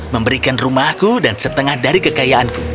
memberikan rumahku dan setengah dari kekayaanku